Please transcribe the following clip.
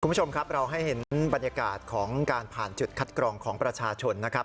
คุณผู้ชมครับเราให้เห็นบรรยากาศของการผ่านจุดคัดกรองของประชาชนนะครับ